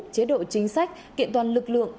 chế độ chính sách kiện toàn lực lượng